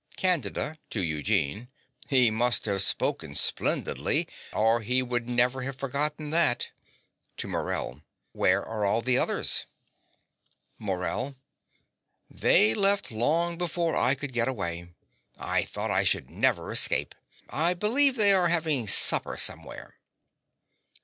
CANDIDA (to Eugene). He must have spoken splendidly, or he would never have forgotten that. (To Morell.) Where are all the others? MORELL. They left long before I could get away: I thought I should never escape. I believe they are having supper somewhere.